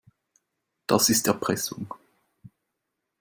Das ist Erpressung.